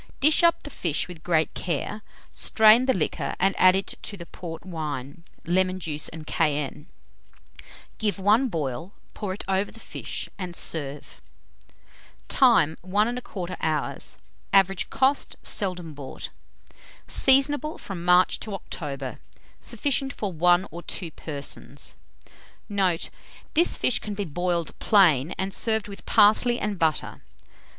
Dish up the fish with great care, strain the liquor, and add to it the port wine, lemon juice, and cayenne; give one boil, pour it over the fish, and serve. Time. 1 1/4 hour. Average cost. Seldom bought. Seasonable from March to October. Sufficient for 1 or 2 persons. Note. This fish can be boiled plain, and served with parsley and butter.